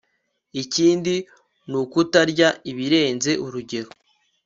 ikindi nukutarya birenze urugero